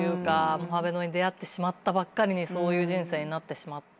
モハメドに出会ってしまったばっかりにそういう人生になってしまって。